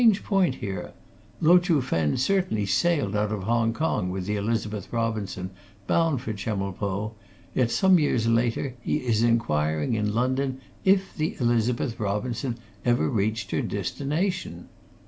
There is a strange point here Lo Chuh Fen certainly sailed out of Hong Kong with the Elizabeth Robinson, bound for Chemulpo, yet, some years later, he is inquiring in London, if the Elizabeth Robinson ever reached her destination.